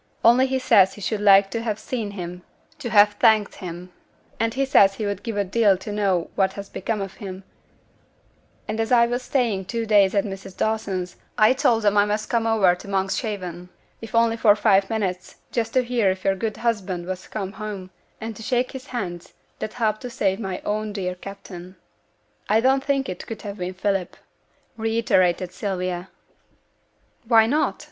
Only he says he should like to have seen him to have thanked him; and he says he would give a deal to know what has become of him; and as I was staying two days at Mrs. Dawson's, I told them I must come over to Monkshaven, if only for five minutes, just to hear if your good husband was come home, and to shake his hands, that helped to save my own dear captain.' 'I don't think it could have been Philip,' reiterated Sylvia. 'Why not?'